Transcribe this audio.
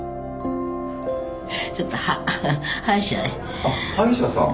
あっ歯医者さん。